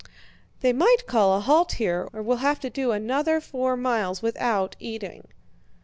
"They might call a halt here or we'll have to do another four miles without eating."